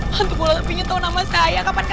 hantu bola apinya tau nama saya kak pura